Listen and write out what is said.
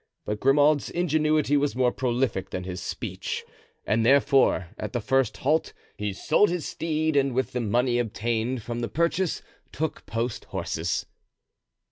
But Grimaud's ingenuity was more prolific than his speech, and therefore at the first halt he sold his steed and with the money obtained from the purchase took post horses.